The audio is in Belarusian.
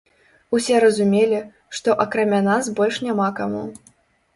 Усе разумелі, што акрамя нас больш няма каму.